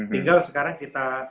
tinggal sekarang kita